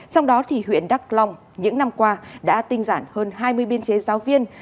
trong đó thì huyện đắk long những năm qua đã tinh giản hơn hai mươi biên chế giáo viên